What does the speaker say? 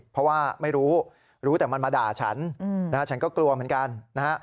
เพราะว่าไม่รู้รู้รู้แต่มันมาด่าฉันฉันก็กลัวเหมือนกันนะฮะ